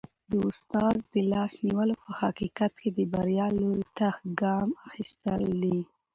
د استاد لاس نیول په حقیقت کي د بریا لوري ته ګام اخیستل دي.